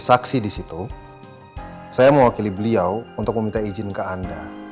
saksi di situ saya mewakili beliau untuk meminta izin ke anda